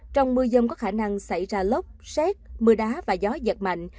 trong mưa dông có khả năng xảy ra lốc xét mưa đá và gió giật mạnh